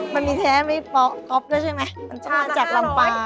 มันนี่แท้ไม่ปลอกก็ปล่อยใช่ไหม